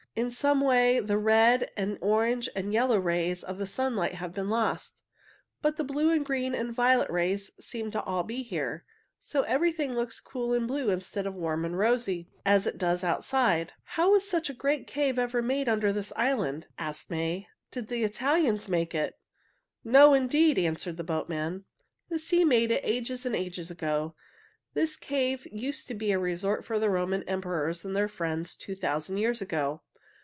"In some way the red and orange and yellow rays of the sunlight have been lost, but the blue and green and violet rays seem to be all here. So everything looks cool and blue instead of warm and rosy, as it does just outside." "How was such a great cave ever made under this island?" asked May. "Did the Italians make it?" "No, indeed!" answered the boatman. "The sea made it ages and ages ago. This cave used to be a resort for the Roman emperors and their friends two thousand years ago.